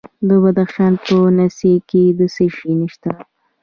د بدخشان په نسي کې څه شی شته؟